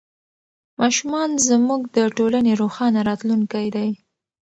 ماشومان زموږ د ټولنې روښانه راتلونکی دی.